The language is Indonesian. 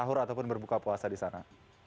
sahur ataupun berbuka puasa di sana